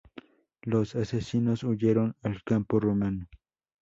Los asesinos huyeron al campo romano.